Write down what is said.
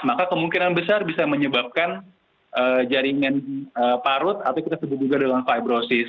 maka kemungkinan besar bisa menyebabkan jaringan parut atau kita sebut juga dengan fibrosis